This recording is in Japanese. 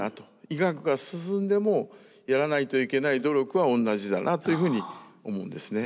医学が進んでもやらないといけない努力は同じだなというふうに思うんですね。